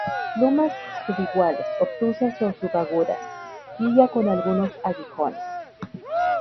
Glumas subiguales, obtusas o subagudas; quilla con algunos aguijones.